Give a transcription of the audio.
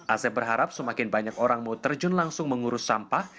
asep berharap semakin banyak orang mau terjun langsung mengurus sampah